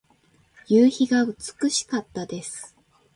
夕日が美しかったです。